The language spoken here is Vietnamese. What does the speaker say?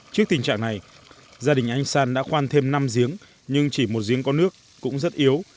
trước tình trạng này gia đình anh san đã khoan thêm năm giếng nhưng chỉ một giếng có nước cũng rất yếu